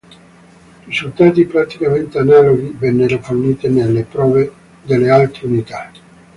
Risultati praticamente analoghi vennero fornite nelle prove delle altre unità.